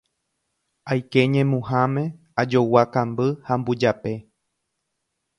Aike ñemuhãme, ajogua kamby ha mbujape.